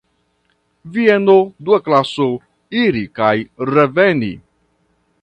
Vieno, dua klaso, iri kaj reveni.